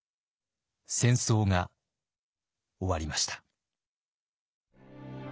戦争が終わりました。